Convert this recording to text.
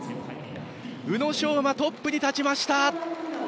宇野昌磨トップに立ちました！